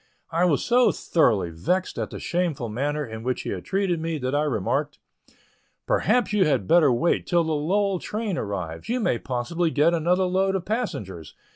I was so thoroughly vexed at the shameful manner in which he had treated me, that I remarked; "Perhaps you had better wait till the Lowell train arrives; you may possibly get another load of passengers.